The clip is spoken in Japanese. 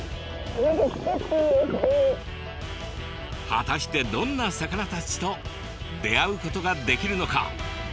果たしてどんな魚たちと出会うことができるのか？